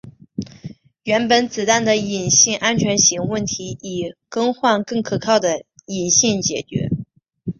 原本子弹的引信安全型问题以更换更可靠的引信解决。